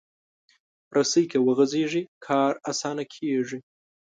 رسۍ که وغځېږي، کار اسانه کېږي.